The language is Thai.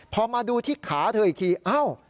พอมาดูที่ขาเธออีกทีอ้าว